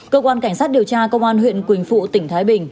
cơ quan cảnh sát điều tra công an huyện quỳnh phụ tỉnh thái bình